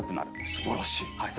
すばらしい。